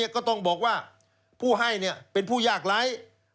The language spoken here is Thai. ก็ต้องบอกว่าผู้ให้เป็นผู้ยากไร้